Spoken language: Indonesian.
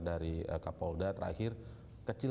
dari kapolda terakhir kecil